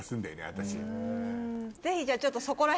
私。